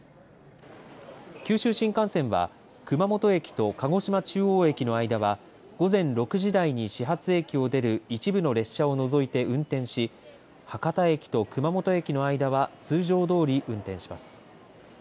九州新幹線は、熊本駅と鹿児島中央駅の間は午前６時台に始発駅を出る一部の列車を除いて運転し博多駅と熊本駅の間は通常どおり運転します。